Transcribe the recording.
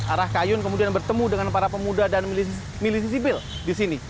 arah kayun kemudian bertemu dengan para pemuda dan milisi sipil di sini